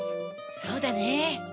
そうだね。